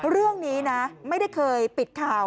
เรื่องนี้นะไม่ได้เคยปิดข่าว